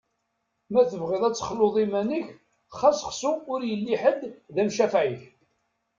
Ma tebɣiḍ ad texluḍ iman-ik, xas ḥṣu ur yettili ḥed d amcafeɛ-ik.